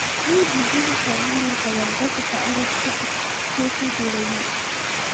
دوی د ځینو قومونو لکه وردګو په اړه سپکې ټوکې جوړوي